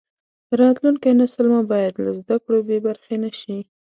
راتلونکی نسل مو باید له زده کړو بې برخې نشي.